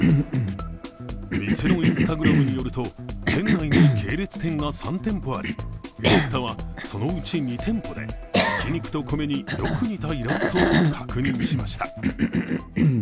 店のＩｎｓｔａｇｒａｍによると、県内に系列店が３店舗あり、「Ｎスタ」は、そのうち２店舗で挽肉と米によく似たイラストを確認しました。